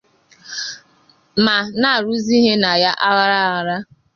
ma na-arụzị ihe na ya aghara aghara.